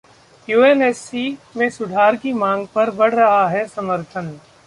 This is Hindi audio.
यूएनएससी में सुधार की मांग पर बढ़ रहा है समर्थन